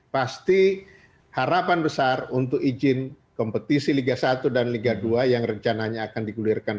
pasti harapan besar untuk izin kompetisi liga satu dan liga dua yang rencananya akan digulirkan